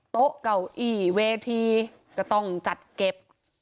โต๊ะเก้าอี้เวทีก็ต้องจัดเก็บ